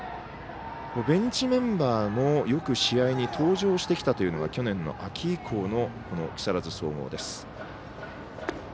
ベンチメンバーも、よく試合に登場してきたというのが去年の秋以降の木更津総合です。